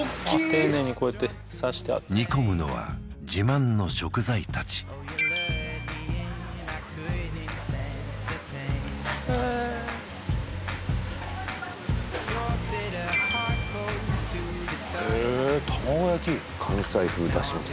丁寧にこうやって刺してある煮込むのは自慢の食材たちあへー玉子焼き関西風だし巻き